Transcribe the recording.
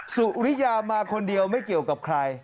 สุริยามาคนเดียวไม่เกี่ยวกับใคร